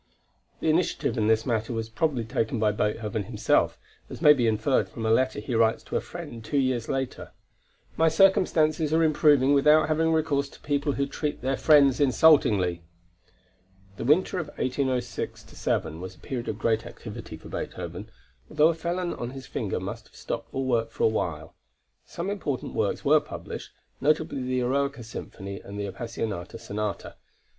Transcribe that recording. The initiative in this matter was probably taken by Beethoven himself, as may be inferred from a letter he writes to a friend two years later: "My circumstances are improving without having recourse to people who treat their friends insultingly." The winter of 1806 7 was a period of great activity for Beethoven, although a felon on his finger must have stopped all work for a while. Some important works were published, notably the Eroica Symphony and the Appassionata Sonata.